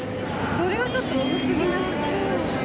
それはちょっと重すぎますね。